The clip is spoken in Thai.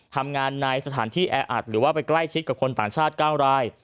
ทำงานในสถานที่แออัดหรือว่าไปใกล้ชิดกับคนต่างชาติ๙ราย